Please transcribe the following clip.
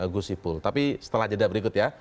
gusipul tapi setelah jeda berikut ya